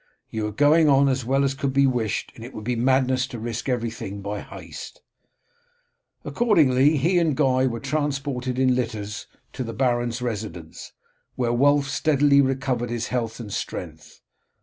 You are going on as well as could be wished, and it would be madness to risk everything by haste." Accordingly he and Guy were transported in litters to the baron's residence, where Wulf steadily recovered his health and strength.